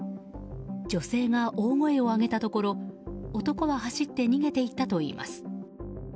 女性が大声を上げたところ男は走って逃げていったといいます。